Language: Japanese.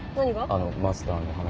あのマスターの話。